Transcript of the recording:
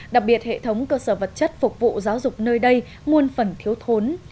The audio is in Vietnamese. đặc biệt hệ thống cơ sở vật chất phục vụ giáo dục nơi đây muôn phần thiếu thốn